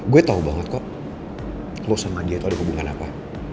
gue tau banget kok lo sama dia itu ada hubungan apa